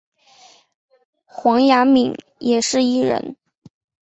黄雅珉也是艺人。